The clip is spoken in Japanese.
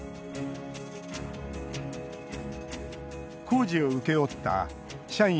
工事を請け負った社員